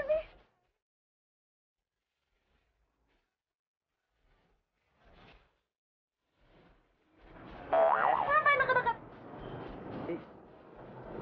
kenapa ini deket deket